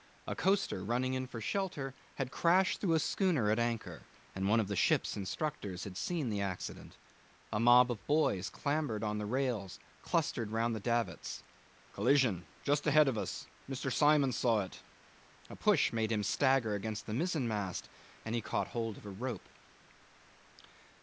A coaster running in for shelter had crashed through a schooner at anchor, and one of the ship's instructors had seen the accident. A mob of boys clambered on the rails, clustered round the davits. 'Collision. Just ahead of us. Mr. Symons saw it.' A push made him stagger against the mizzen mast, and he caught hold of a rope.